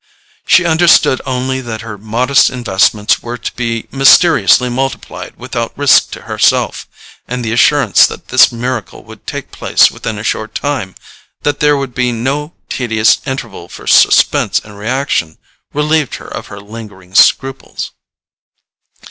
She understood only that her modest investments were to be mysteriously multiplied without risk to herself; and the assurance that this miracle would take place within a short time, that there would be no tedious interval for suspense and reaction, relieved her of her lingering scruples.